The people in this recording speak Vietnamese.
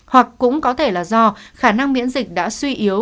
hoặc cũng có thể là do khả năng miễn dịch đã suy yếu